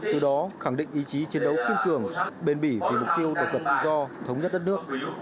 từ đó khẳng định ý chí chiến đấu kiên cường bền bỉ vì mục tiêu độc lập tự do thống nhất đất nước